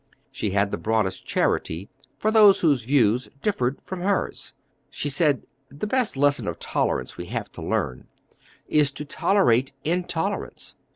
She had the broadest charity for those whose views differed from hers. She said, "The best lesson of tolerance we have to learn, is to tolerate intolerance."